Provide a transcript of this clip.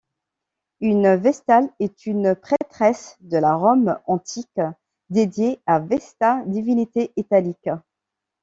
Une vestale est une prêtresse de la Rome antique dédiée à Vesta, divinité italique.